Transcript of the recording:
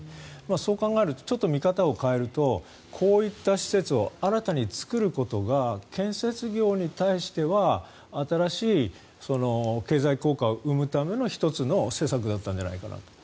そう考えるとちょっと見方を変えるとこういった施設を新たに作ることが建設業に対しては新しい経済効果を生むための１つの政策だったんじゃないかと。